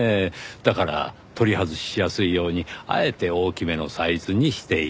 だから取り外ししやすいようにあえて大きめのサイズにしている。